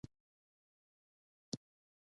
علم د یقین یو موقتي ډول دی.